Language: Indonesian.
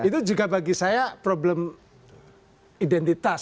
itu juga bagi saya problem identitas